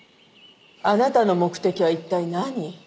あなたの目的は一体何？